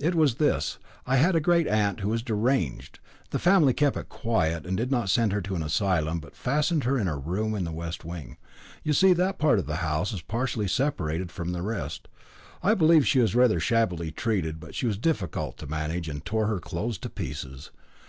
"It was this: I had a great aunt who was deranged. The family kept it quiet, and did not send her to an asylum, but fastened her in a room in the west wing. You see, that part of the house is partially separated from the rest. I believe she was rather shabbily treated, but she was difficult to manage, and tore her clothes to pieces.